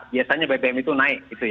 biasanya bpm itu naik